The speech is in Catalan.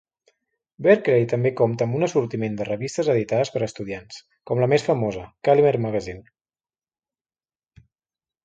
Berkeley també compta amb un assortiment de revistes editades per estudiants, com la més famosa, Caliber Magazine.